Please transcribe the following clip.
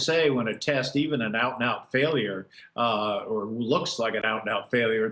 saya menganggap ini sebuah kegagalan